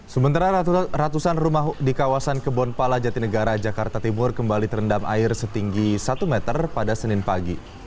sementara ratusan rumah di kawasan kebonpala jatinegara jakarta timur kembali terendam air setinggi satu meter pada senin pagi